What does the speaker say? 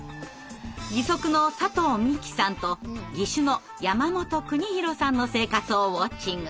義足の佐藤未希さんと義手のやまもとくにひろさんの生活をウォッチング。